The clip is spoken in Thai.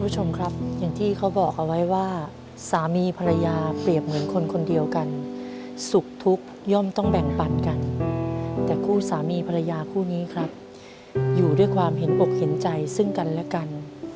คุณผู้ชมครับอย่างที่เขาบอกเอาไว้ว่าสามีภรรยาเปรียบเหมือนคนคนเดียวกันสุขทุกข์ย่อมต้องแบ่งปันกันแต่คู่สามีภรรยาคู่นี้ครับอยู่ด้วยความเห็นอกเห็นใจซึ่งกันและกัน